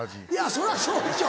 そらそうでしょ。